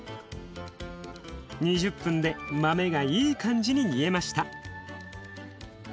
２０分で豆がいい感じに煮えました。